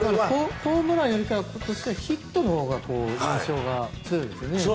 ホームランより今年はヒットのほうが印象が強いですね。